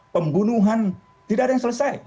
pembunuhan tidak ada yang selesai